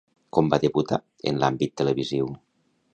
Com va debutar en l'àmbit televisiu?